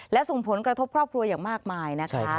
และส่งผลกระทบครอบครัวอย่างมากมายนะคะ